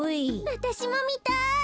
わたしもみたい。